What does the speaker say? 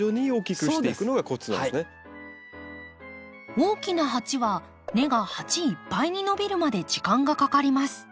大きな鉢は根が鉢いっぱいに伸びるまで時間がかかります。